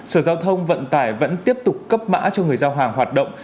sở giao thông vận tải vẫn tiếp tục cấp mã cho người giao hàng hoạt động